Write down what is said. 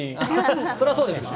それはそうですよね。